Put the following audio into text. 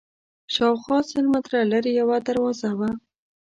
شاوخوا سل متره لرې یوه دروازه وه.